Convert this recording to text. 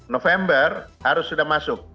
november harus sudah masuk